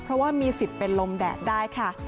เพราะว่ามีสิทธิ์เป็นลมแดดได้ค่ะ